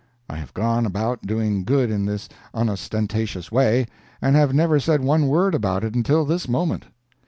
I have gone about doing good in this unostentatious way, and have never said one word about it until this moment.